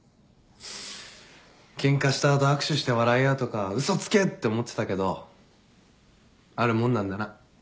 ケンカした後握手して笑い合うとか嘘つけって思ってたけどあるもんなんだな。